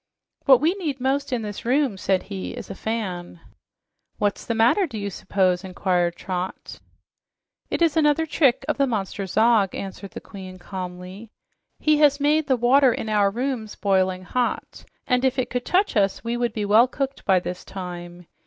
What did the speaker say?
"What we need most in this room," said he, "is a fan." "What's the trouble, do you s'pose?" inquired Trot. "It is another trick of the monster Zog," answered the Queen calmly. "He has made the water in our rooms boiling hot, and if it could touch us, we would be well cooked by this time.